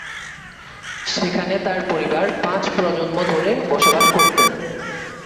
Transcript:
সেখানে তার পরিবার পাঁচ প্রজন্ম ধরে বসবাস করতেন।